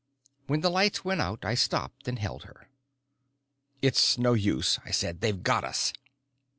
When the lights went out, I stopped and held her. "It's no use," I said. "They've got us."